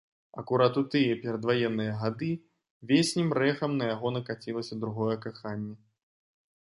Акурат у тыя перадваенныя гады веснім рэхам на яго накацілася другое каханне.